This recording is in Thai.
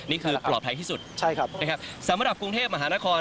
นี่คือปลอดภัยที่สุดใช่ครับนะครับสำหรับกรุงเทพมหานคร